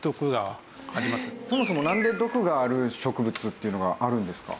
そもそもなんで毒がある植物っていうのがあるんですか？